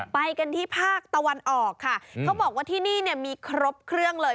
ไปกันที่ภาคตะวันออกค่ะเขาบอกว่าที่นี่เนี่ยมีครบเครื่องเลย